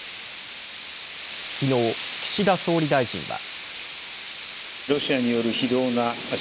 きのう、岸田総理大臣は。